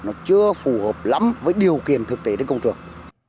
nó chưa phù hợp lắm với điều kiện thực tế đến công trường